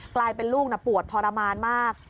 กลายเป็นลูกปวดทรมานมาก